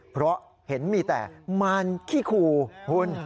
เพราะเห็นมีแต่มารขี้คูคุณ